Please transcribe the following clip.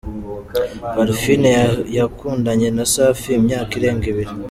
Parfine yakundanye na Safi imyaka irenga ibiri